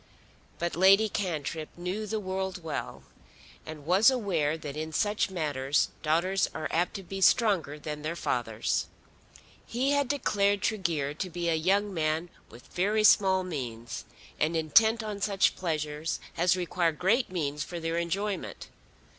But Lady Cantrip knew the world well and was aware that in such matters daughters are apt to be stronger than their fathers. He had declared Tregear to be a young man with very small means, and intent on such pleasures as require great means for their enjoyment.